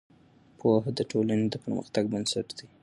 پوهه د ټولنې د پرمختګ بنسټ دی.